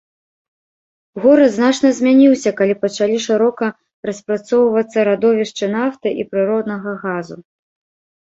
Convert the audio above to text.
Горад значна змяніўся калі пачалі шырока распрацоўвацца радовішчы нафты і прыроднага газу.